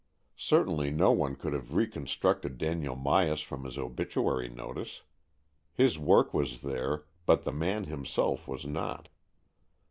Certainly no one could have reconstructed Daniel Myas from his obituary notice. His work was there, but the man himself was not.